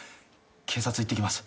警察行ってきます。